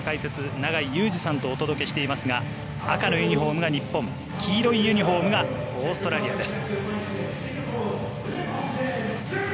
永井祐司さんとお届けしていますが赤のユニフォームが日本黄色いユニフォームがオーストラリアです。